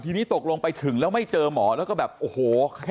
ทีนี้ตกลงไปถึงแล้วไม่เจอหมอแล้วก็แบบโอ้โห